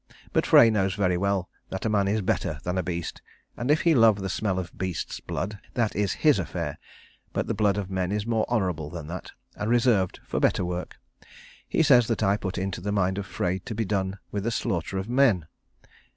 But Frey knows very well that a man is better than a beast, and if he love the smell of beasts' blood, that is his affair, but the blood of men is more honourable than that, and reserved for better work. He says that I put into the mind of Frey to be done with the slaughter of men.